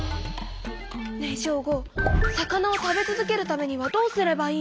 ねえショーゴ魚を食べ続けるためにはどうすればいいの？